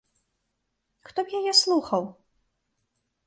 Хто б яе слухаў?